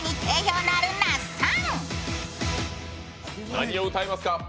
何を歌いますか？